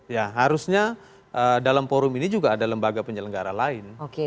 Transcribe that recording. ya harusnya dalam forum ini juga ada lembaga penyelenggara lain